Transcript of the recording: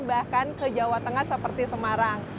bahkan ke jawa tengah seperti semarang